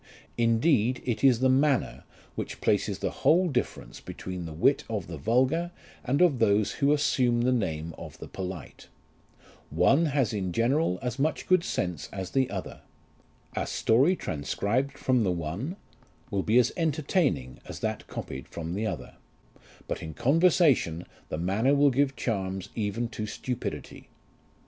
Indeed, it is the manner which places the whole difference between the wit of the vulgar and of those who assume the name of the polite : one has in general as much good sense as the other ; a story transcribed from the one will be as entertaining as that copied from the other ; but in conversation, the manner will give charms even to stupidity.